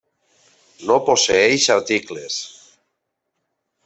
No posseeix articles.